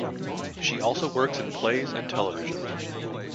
She also worked in plays and television.